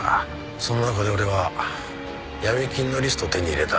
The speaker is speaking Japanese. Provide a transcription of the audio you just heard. その中で俺は闇金のリストを手に入れた。